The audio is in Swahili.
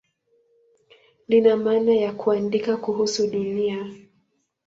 Lina maana ya "kuandika kuhusu Dunia".